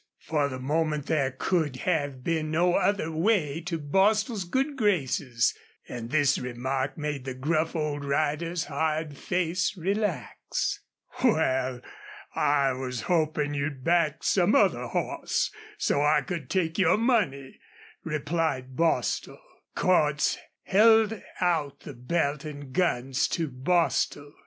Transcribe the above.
For the moment there could have been no other way to Bostil's good graces, and this remark made the gruff old rider's hard face relax. "Wal, I was hopin' you'd back some other hoss, so I could take your money," replied Bostil. Cordts held out the belt and guns to Bostil.